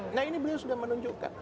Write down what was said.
nah ini beliau sudah menunjukkan